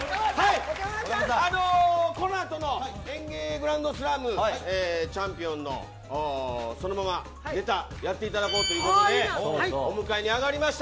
あの、この後のＥＮＧＥＩグランドスラムチャンピオンのそのままネタやっていただこうということでお迎えに上がりました。